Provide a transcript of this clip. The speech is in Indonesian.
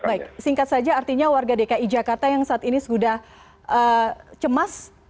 baik singkat saja artinya warga dki jakarta yang saat ini sudah cemas